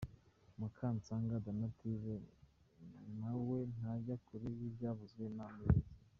Mukansanga Donatille nawe ntajya kure y’ibyavuzwe na mugenzi we.